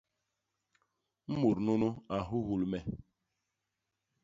Mut nunu a nhuhul me.